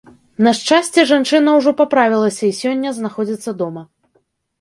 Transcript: На шчасце, жанчына ўжо паправілася і сёння знаходзіцца дома.